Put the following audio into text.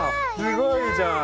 すごいじゃん。